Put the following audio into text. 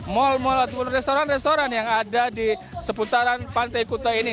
mal mal ataupun restoran restoran yang ada di seputaran pantai kuta ini